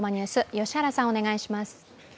良原さん、お願いします。